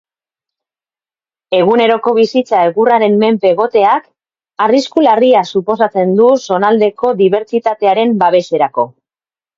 Eguneroko bizitza egurraren menpe egoteak arrisku larria suposatzen du zonaldeko biodibertsitatearen babeserako.